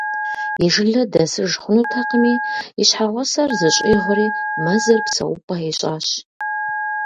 И жылэ дэсыж хъунутэкъыми, и щхьэгъусэр зыщӏигъури, мэзыр псэупӏэ ищӏащ.